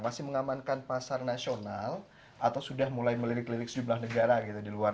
masih mengamankan pasar nasional atau sudah mulai melirik lirik sejumlah negara gitu di luar